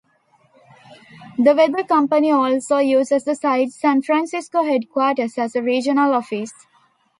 The Weather Company also uses the site's San Francisco headquarters as a regional office.